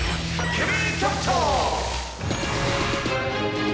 「ケミーキャプチャー！」